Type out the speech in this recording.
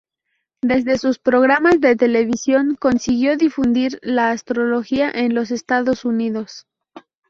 Desde sus programas de televisión consiguió difundir la astrología en los Estados Unidos.